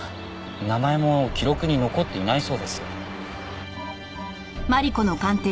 名前も記録に残っていないそうです。